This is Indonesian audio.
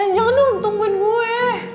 jangan nungut tungguin gue